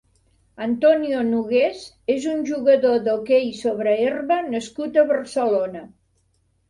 Antonio Nogués és un jugador d'hoquei sobre herba nascut a Barcelona.